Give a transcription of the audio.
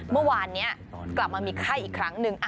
เมื่อวานนี้กลับมามีไข้อีกครั้งหนึ่ง